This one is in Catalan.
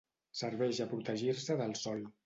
Serveix a protegir-se del sol.